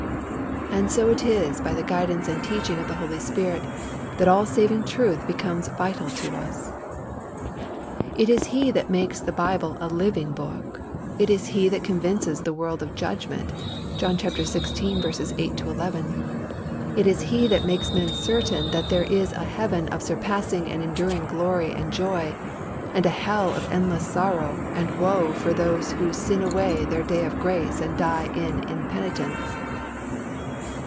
And so it is by the guidance and teaching of the Holy Spirit that all saving truth becomes vital to us. It is He that makes the Bible a living Book; it is He that convinces the world of judgment (John xvi. 8 11); it is He that makes men certain that there is a Heaven of surpassing and enduring glory and joy, and a Hell of endless sorrow and woe for those who sin away their day of grace and die in impenitence.